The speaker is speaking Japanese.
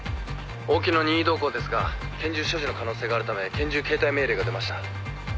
「大木の任意同行ですが拳銃所持の可能性があるため拳銃携帯命令が出ました」